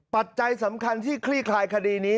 ปัจจัยสำคัญที่คลี่คลายคดีนี้